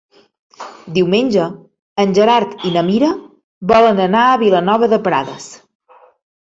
Diumenge en Gerard i na Mira volen anar a Vilanova de Prades.